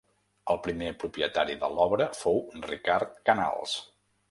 El primer propietari de l'obra fou Ricard Canals.